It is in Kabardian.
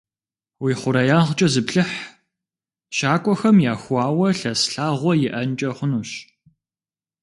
Уи хъуреягъкӏэ зыплъыхь, щакӏуэхэм яхуауэ лъэс лъагъуэ иӏэнкӏэ хъунущ.